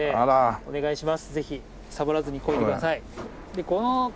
お願いします。